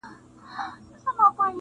• زما پر سونډو یو غزل عاشقانه یې,